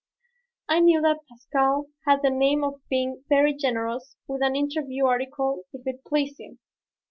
I knew that Pascal had the name of being very generous with an interview article if it pleased him.